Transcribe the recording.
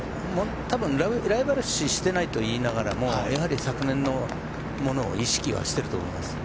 多分ライバル視していないと言いながらも昨年のことを意識はしていると思います。